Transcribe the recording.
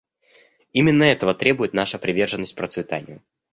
Именно этого требует наша приверженность процветанию.